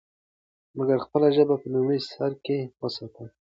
مګر خپله ژبه په لومړي سر کې وساتو.